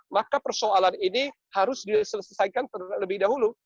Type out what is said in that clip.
maka persoalan ini harus diselesaikan terlebih dahulu